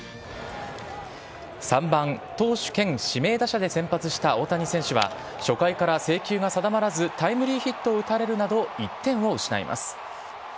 ３番・投手兼指名打者で先発した大谷選手は初回から制球が定まらずタイムリーヒットを打たれるなど１点を失います。